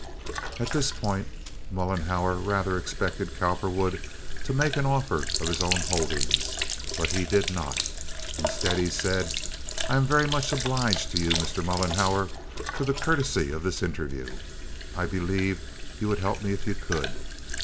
At this point, Mollenhauer rather expected Cowperwood to make an offer of his own holdings, but he did not. Instead he said, "I'm very much obliged to you, Mr. Mollenhauer, for the courtesy of this interview. I believe you would help me if you could.